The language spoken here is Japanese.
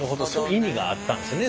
意味があったんですね